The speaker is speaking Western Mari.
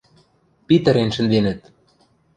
– Питӹрен шӹнденӹт.